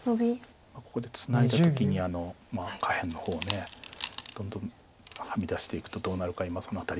ここでツナいだ時に下辺の方どんどんはみ出していくとどうなるか今そのあたり。